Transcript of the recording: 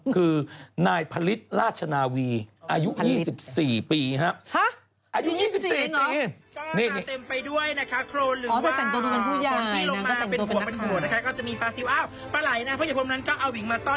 ปลาสิวอ้าวปลาไหลนะเพราะอย่างพวกนั้นก็เอาหวิงมาซ่อน